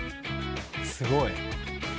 すごい。